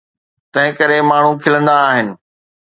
تنهنڪري ماڻهو کلندا آهن.